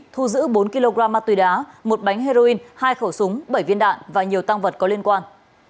thu giữ bốn kg ma túy đá một bánh heroin hai khẩu súng bảy viên đạn và nhiều tăng vật có liên quan